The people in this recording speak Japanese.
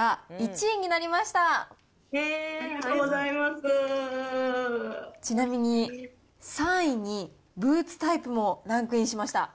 ありがとうございますちなみに、３位にブーツタイプもランクインしました。